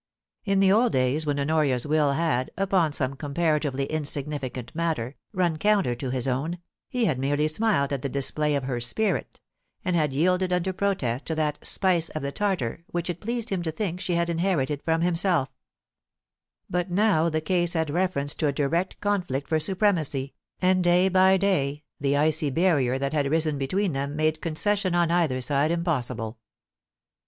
In the old days when Honoria's will had, upon some comparatively insignificant matter, run counter to his own, he had merely smiled at the display of her * spirit,' and had yielded under protest to that * spice of the Tartar* which it pleased him to think she had inherited from himselfl But 222 POLICY AND PASSION. now the case had reference to a direct conflict for supremacy^ and day by day the icy barrier that had risen between them made concession on either side impossible.